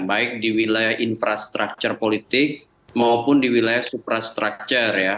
baik di wilayah infrastruktur politik maupun di wilayah suprastructure ya